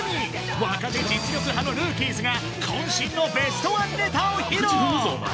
若手実力派のルーキーズが渾身のベストワンネタを披露！